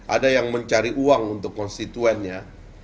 ada yang mencari uang untuk konstituennya